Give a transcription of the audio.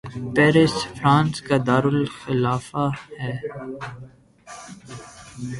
Paris France کا دارلخلافہ ہے